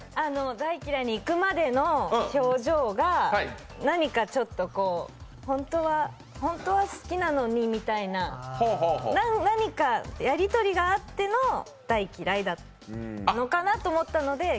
大嫌いにいくまでの表情が何かちょっとホントは好きなのにみたいな、何か、やりとりがあっての大嫌いなのかなと思ったので、